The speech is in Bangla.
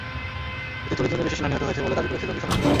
এতে চল্লিশজনের বেশি সেনা নিহত হয়েছে বলে দাবি করেছে জঙ্গি সংগঠনটি।